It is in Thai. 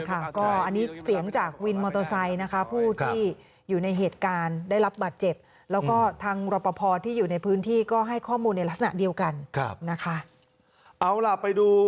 ไม่ใช่มารับลูกค้าไม่มาเจาะจงเลยครับ